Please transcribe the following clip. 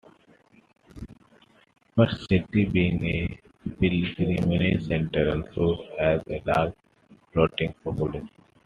But, Shirdi being a pilgrimage centre, also has a large floating population.